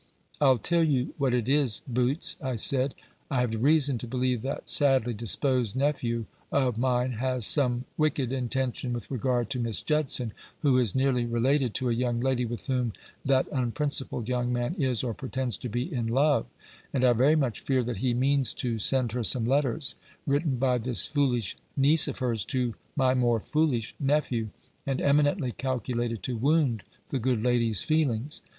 "I'll tell you what it is, Boots," I said; "I have reason to believe that sadly disposed nephew of mine has some wicked intention with regard to Miss Judson, who is nearly related to a young lady with whom that unprincipled young man is, or pretends to be, in love; and I very much fear that he means to send her some letters, written by this foolish niece of hers to my more foolish nephew, and eminently calculated to wound the good lady's feelings.